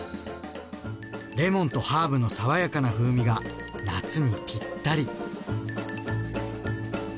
レモンとハーブの爽やかな風味が夏にぴったり。